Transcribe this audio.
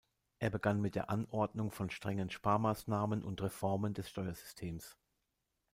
Er begann mit der Anordnung von strengen Sparmaßnahmen und Reformen des Steuersystems.